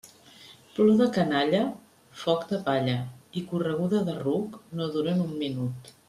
Plor de canalla, foc de palla i correguda de ruc no duren un minut.